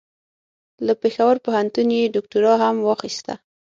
له پېښور پوهنتون یې دوکتورا هم واخیسته.